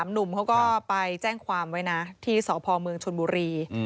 ๓หนุ่มเขาก็ไปแจ้งความไว้ที่สระพอมุริเธนชนบุรี